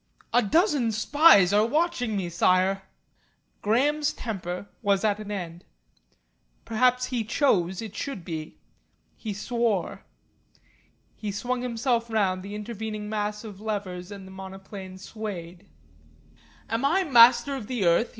"A dozen spies are watching me, Sire!" Graham's temper was at end. Perhaps he chose it should be. He swore. He swung himself round the intervening mass of levers and the monoplane swayed. "Am I Master of the earth?"